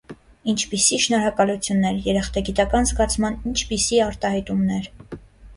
Ինչպիսի՜ շնորհակալություններ, երախտագիտական զգացման ինչպիսի՜ արտահայտումներ…